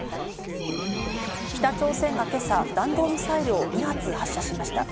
北朝鮮が今朝、弾道ミサイルを２発発射しました。